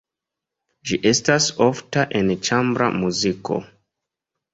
Ĝi estas ofta en ĉambra muziko.